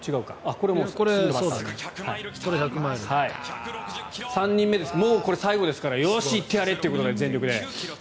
これはもう最後ですからよし、行ってやれということで全力で。